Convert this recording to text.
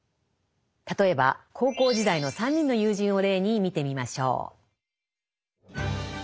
例えば高校時代の３人の友人を例に見てみましょう。